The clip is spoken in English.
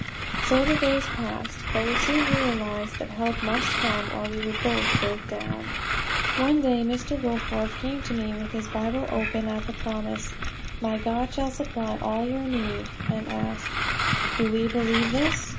So the days passed. But we soon realized that help must come, or we would both break down. One day Mr. Goforth came to me with his Bible open at the promise, "My God shall supply all your need," and asked: "Do we believe this?